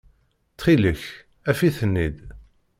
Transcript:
Ttxil-k, af-iten-id.